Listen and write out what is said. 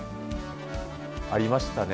ありましたね。